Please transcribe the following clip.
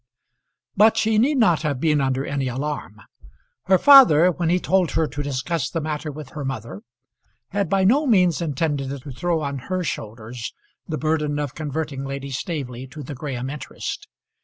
But she need not have been under any alarm. Her father, when he told her to discuss the matter with her mother, had by no means intended to throw on her shoulders the burden of converting Lady Staveley to the Graham interest.